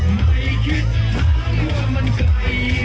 ไม่คิดถามว่ามันไกลเท่าไหร่